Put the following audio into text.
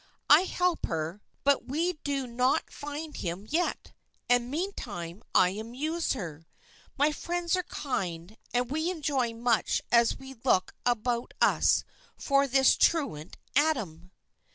I help her, but we do not find him yet, and meantime I amuse her. My friends are kind, and we enjoy much as we look about us for this truant Adam."